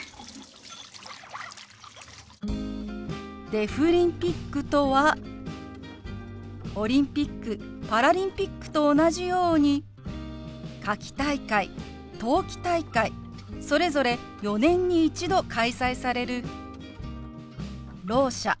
「デフリンピック」とはオリンピックパラリンピックと同じように夏季大会冬季大会それぞれ４年に一度開催されるろう者